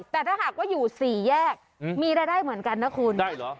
แต่ถ้าหากว่าอยู่สี่แยกมีรายได้เหมือนกันนะคุณได้เหรอ